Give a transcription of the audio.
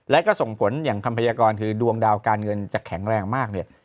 และก็ส่งผลอย่างคำพยากรคือดวงดาวการเงินจะแข็งแรงมากเนี่ย